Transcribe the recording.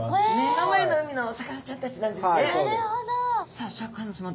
さあシャーク香音さま